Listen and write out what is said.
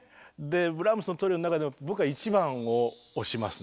ブラームスのトリオの中でも僕は「１番」を推しますね。